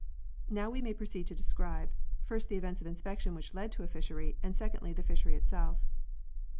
Now we may proceed to describe, first the events of inspection which lead to a fishery, and secondly the fishery itself.